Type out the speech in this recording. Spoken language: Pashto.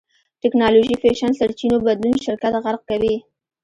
ټېکنالوژي فېشن سرچينو بدلون شرکت غرق کوي.